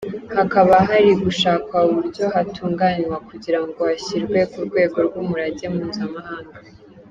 Hakaba hari gushakwa uburyo hatunganywa kugira ngo hashyirwe ku rwego rw’umurage mpuzamahanga.